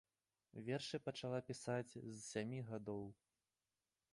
Вершы пачала пісаць з сямі гадоў.